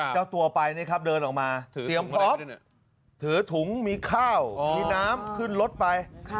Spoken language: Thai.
เจ้าตัวไปนะครับเดินออกมาเตรียมพร้อมถือถุงมีข้าวมีน้ำขึ้นรถไป